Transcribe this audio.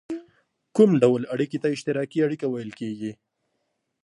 کوم ډول اړیکې ته اشتراکي اړیکه ویل کیږي؟